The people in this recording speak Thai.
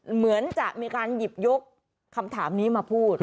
เหมือนจะมีการหยิบยกคำถามนี้มาพูด